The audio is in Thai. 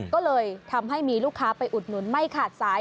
ก็เลยทำให้มีลูกค้าไปอุดหนุนไม่ขาดสาย